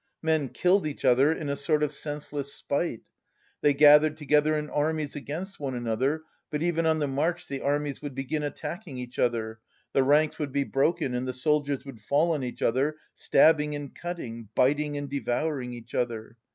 Men killed each other in a sort of senseless spite. They gathered together in armies against one another, but even on the march the armies would begin attacking each other, the ranks would be broken and the soldiers would fall on each other, stabbing and cutting, biting and devouring each other.